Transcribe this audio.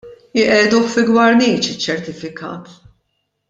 Iqiegħduh fi gwarniċ iċ-ċertifikat!